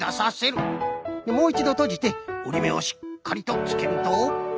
もう１どとじておりめをしっかりとつけると。